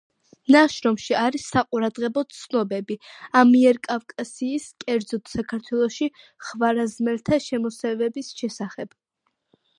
ნაშრომში არის საყურადღებო ცნობები ამიერკავკასიის, კერძოდ საქართველოში, ხვარაზმელთა შემოსევების შესახებ.